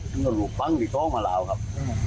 ถึงก็หลุบฟังอีกตรงมาแล้วครับ